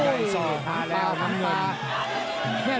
ทิ้งทั้งหมอ